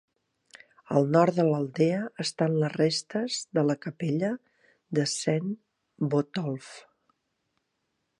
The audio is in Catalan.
Al nord de l'aldea estan les restes de la capella de Saint Botolph.